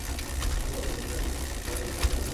ইসলাম মতে, এই বইটি আল্লাহ নবী ঈসার উপর নাজিল করেছিলেন।